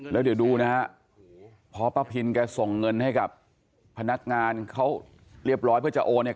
แล้วเดี๋ยวดูนะฮะพอป้าพินแกส่งเงินให้กับพนักงานเขาเรียบร้อยเพื่อจะโอนเนี่ย